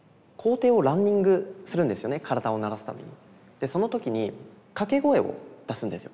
でその時に掛け声を出すんですよ。